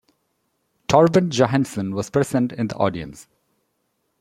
Torben Johansen was present in the audience.